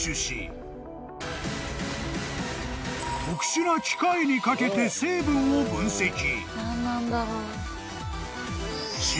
［特殊な機械にかけて成分を分析］